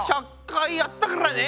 １００回やったからね！